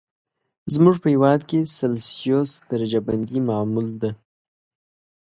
زموږ په هېواد کې سلسیوس درجه بندي معمول ده.